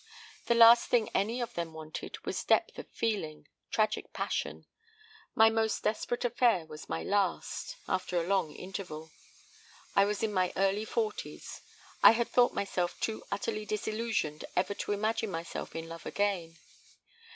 The last thing any of them wanted was depth of feeling, tragic passion. ... My most desperate affair was my last after a long interval. ... I was in my early forties. I had thought myself too utterly disillusioned ever to imagine myself in love again.